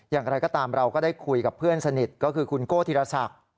อย่างไรก็ตามเราก็ได้คุยกับเพื่อนสนิทก็คือคุณโก้ธีรศักดิ์